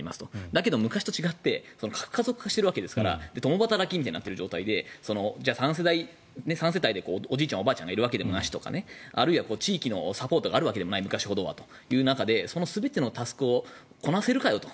だけど昔と違って核家族化しているわけですから共働きになっているわけで３世帯でおじいちゃん、おばあちゃんがいるわけでもなく地域のサポートが昔ほどあるわけではない中でその全てのタスクをこなせるかよと。